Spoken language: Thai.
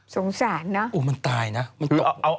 สงสารนะมันตายนะมันตก